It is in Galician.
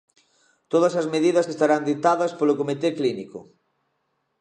Todas as medidas estarán ditadas polo comité clínico.